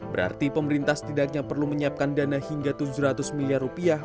berarti pemerintah setidaknya perlu menyiapkan dana hingga tujuh ratus miliar rupiah